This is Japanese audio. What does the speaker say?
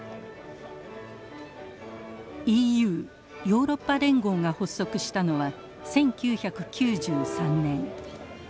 ＥＵヨーロッパ連合が発足したのは１９９３年。